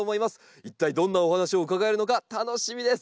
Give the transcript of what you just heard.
一体どんなお話を伺えるのか楽しみです。